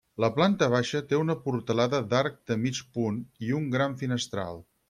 La planta baixa té una portalada d'arc de mig punt i un gran finestral.